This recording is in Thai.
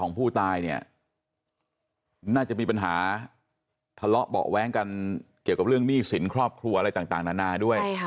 ผู้ตายเนี่ยน่าจะมีปัญหาทะเลาะเบาะแว้งกันเกี่ยวกับเรื่องหนี้สินครอบครัวอะไรต่างนานาด้วย